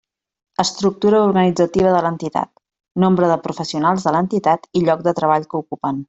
Estructura organitzativa de l'entitat: nombre de professionals de l'entitat i lloc de treball que ocupen.